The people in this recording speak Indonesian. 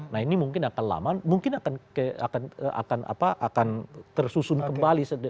nah ini mungkin akan lama mungkin akan akan apa akan tersusun kembali